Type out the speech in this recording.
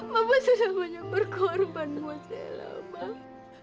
bapak sudah banyak berkorban semua stella mbak